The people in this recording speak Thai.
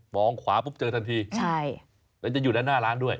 ขวาปุ๊บเจอทันทีใช่แล้วจะอยู่ด้านหน้าร้านด้วย